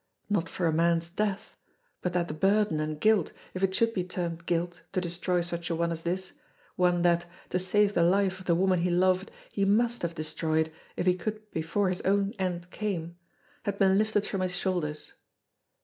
Not for a man's death but that the burden and guilt, if it should be termed guilt to destroy such a one as this, one that, to save the life of the woman he loved, he must have destroyed if he could before his own end came, had been lifted from his shoulders.